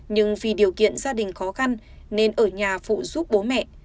nhưng vì điều kiện gia đình khó khăn nên ở nhà phụ giúp bố mẹ